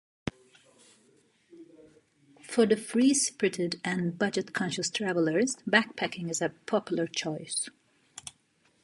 For the free-spirited and budget-conscious travelers, backpacking is a popular choice.